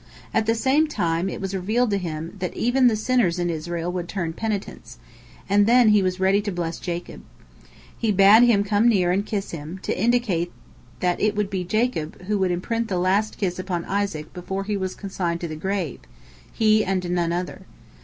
At the same time, it was revealed to him that even the sinners in Israel would turn penitents, and then he was ready to bless Jacob. He bade him come near and kiss him, to indicate that it would be Jacob who would imprint the last kiss upon Isaac before he was consigned to the grave—he and none other.